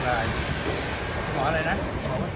อ๋อเกลียดแน่นอนครับแน่นอนอ่ะ